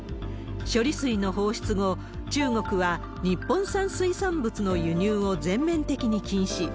処理水の放出後、中国は日本産水産物の輸入を全面的に禁止。